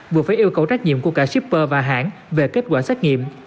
vừa phải yêu cầu trách nhiệm của cả shipper và hãng về kết quả xét nghiệm